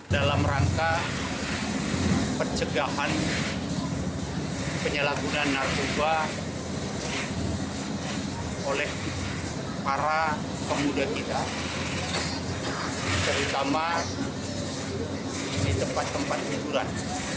dalam rangka pencegahan penyalahgunaan narkoba oleh para pemuda kita terutama di tempat tempat hiburan